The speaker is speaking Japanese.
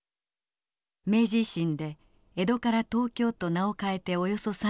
明治維新で江戸から東京と名を変えておよそ３０年。